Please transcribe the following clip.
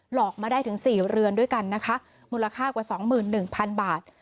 หลอกมาได้ถึงสี่เรือนด้วยกันนะคะมูลค่ากว่าสองหมื่นหนึ่งพันบาท